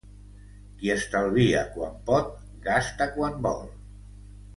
Qui estalvia quan pot, gasta quan vol.